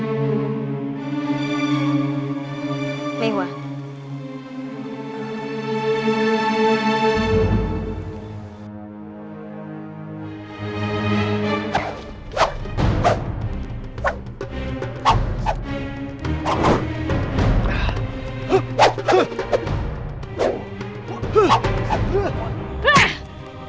aku akan menyerangmu